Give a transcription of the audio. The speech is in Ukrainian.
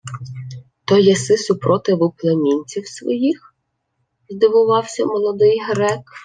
— То єси супротиву племінців своїх? — здивувався молодий грек.